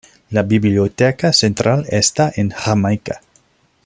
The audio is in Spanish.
La biblioteca central está en Jamaica.